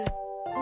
何？